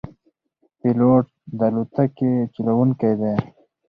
پیلوټ د الوتکې چلوونکی دی.